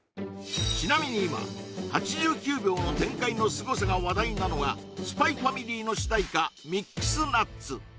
ちなみに今８９秒の展開のすごさが話題なのが「ＳＰＹ×ＦＡＭＩＬＹ」の主題歌「ミックスナッツ」